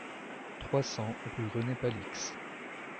trois cents rue René Palix